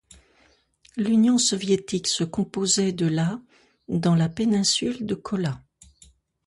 L'Union soviétique se composait de la dans la péninsule de Kola.